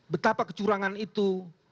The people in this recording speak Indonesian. betapa kecurangan itu